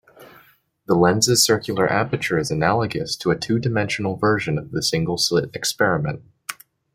The lens' circular aperture is analogous to a two-dimensional version of the single-slit experiment.